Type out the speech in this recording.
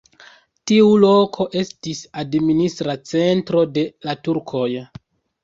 Tiu loko estis administra centro de la turkoj.